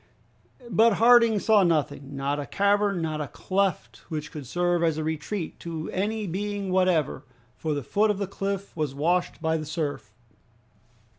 But Harding saw nothing, not a cavern, not a cleft which could serve as a retreat to any being whatever, for the foot of the cliff was washed by the surf.